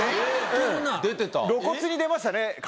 露骨に出ましたね顔に。